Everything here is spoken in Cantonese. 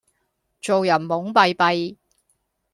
做人懵閉閉